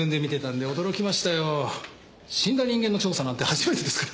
死んだ人間の調査なんて初めてですから。